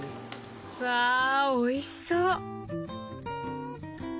わおいしそう。